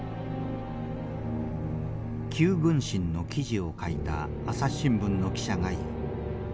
九軍神の記事を書いた朝日新聞の記者がいる。